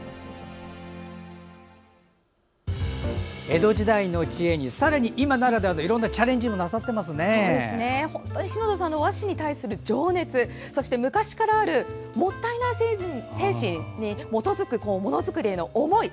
江戸時代の知恵に、さらに今ならではのいろんなチャレンジも本当に篠田さんの和紙に対する情熱そして昔からある「もったいない」精神に基づくものづくりへの思い。